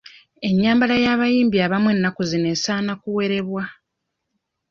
Ennyambala y'abayimbi abamu ennaku zino esaana kuwerebwa.